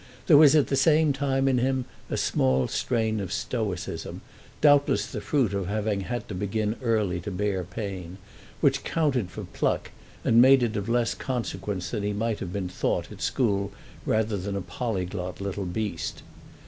There was at the same time in him a small strain of stoicism, doubtless the fruit of having had to begin early to bear pain, which counted for pluck and made it of less consequence that he might have been thought at school rather a polyglot little beast.